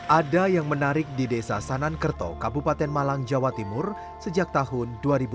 ada yang menarik di desa sanankerto kabupaten malang jawa timur sejak tahun dua ribu lima belas